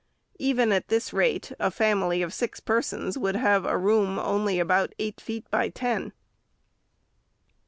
Even at this rate, a family of six persons would have a room only about eight feet by ten.